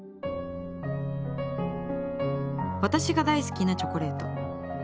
私が大好きなチョコレート。